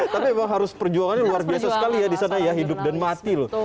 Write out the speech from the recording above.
tapi memang harus perjuangannya luar biasa sekali ya di sana ya hidup dan mati loh